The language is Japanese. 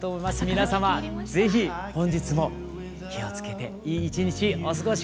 皆様是非本日も気をつけていい一日お過ごし下さい。